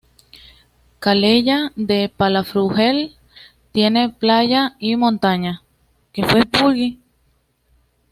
Calella de Palafrugell tiene playa y montaña.